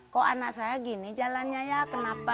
kok anak saya gini jalannya ya kenapa